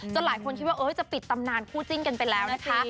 หลายคนคิดว่าจะปิดตำนานคู่จิ้นกันไปแล้วนะคะ